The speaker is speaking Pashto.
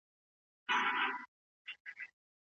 لا یې پخوا دي ورځي سختي نوري